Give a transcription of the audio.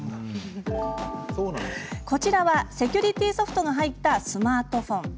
こちらはセキュリティーソフトが入ったスマートフォン。